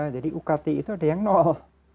jadi ukt itu ada yang nol